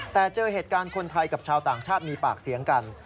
แต่เจอเหตุการณ์คนไทยกับชาวต่างชาติมีปากเสียงกัน